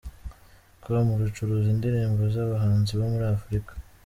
com rucuruza indirimbo z’abahanzi bo muri afurika.